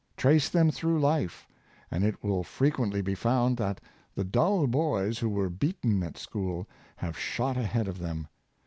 ^" Trace them through life, and it will frequently be found that the dull boys, who were beaten at school, have shot ahead of them.